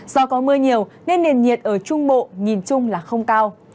do có mưa nhiều nên nền nhiệt ở trung bộ nhìn chung là không cao